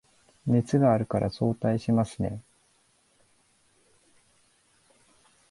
熱があるから早退しますね